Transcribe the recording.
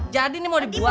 jadi nih mau dibuang